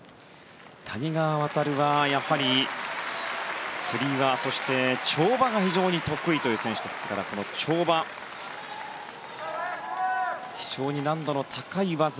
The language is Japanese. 谷川航はやっぱりつり輪、そして跳馬が非常に得意という選手ですからこの跳馬、非常に難度の高い技